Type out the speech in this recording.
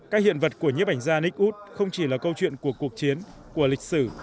các hiện vật của nhiếp ảnh gia nick wood không chỉ là câu chuyện của cuộc chiến của lịch sử